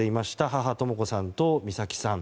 母・とも子さんと美咲さん。